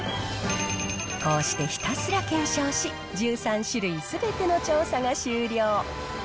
こうしてひたすら検証し、１３種類すべての調査が終了。